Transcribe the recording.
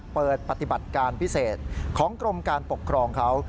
ปฏิบัติการพิเศษของกรมการปกครองเขา